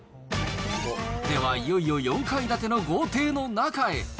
ではいよいよ４階建ての豪邸の中へ。